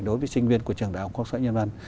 đối với sinh viên của trường đại học quốc xã nhân văn